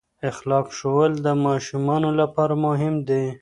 اخلاق ښوول د ماشومانو لپاره مهم دي.